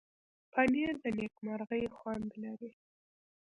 پنېر د نېکمرغۍ خوند لري.